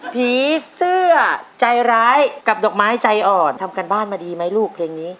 ผีเสื้อใจร้ายกับดอกไม้ใจอ่อนทำการบ้านมาดีไหมลูกเพลงนี้